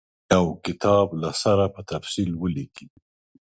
او کتاب له سره په تفصیل ولیکي.